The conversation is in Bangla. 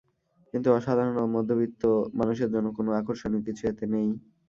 কিন্তু সাধারণ ও মধ্যবিত্ত মানুষের জন্য কোনো আকর্ষণীয় কিছু এতে নেই।